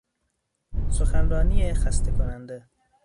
سخنرانی خسته کننده